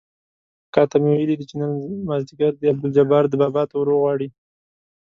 اکا ته مې ويلي دي چې نن مازديګر دې عبدالجبار ده بابا ته وروغواړي.